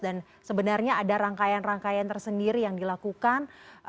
dan sebenarnya ada rangkaian rangkaian tersendiri yang dilakukan